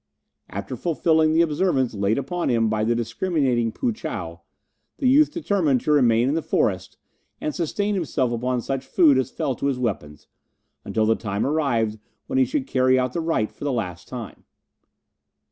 After fulfilling the observance laid upon him by the discriminating Poo chow, the youth determined to remain in the forest, and sustain himself upon such food as fell to his weapons, until the time arrived when he should carry out the rite for the last time.